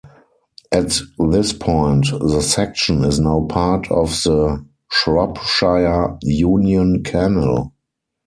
At this point, the section is now part of the Shropshire Union Canal.